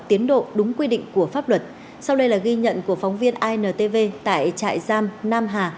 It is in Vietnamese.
tiến độ đúng quy định của pháp luật sau đây là ghi nhận của phóng viên intv tại trại giam nam hà